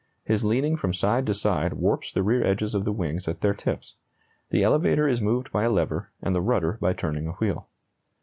His leaning from side to side warps the rear edges of the wings at their tips. The elevator is moved by a lever, and the rudder by turning a wheel.